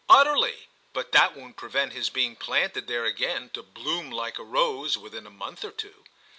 "Utterly. But that won't prevent his being planted there again, to bloom like a rose, within a month or two."